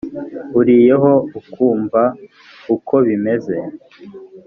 uriyeho ukumva uko bimeze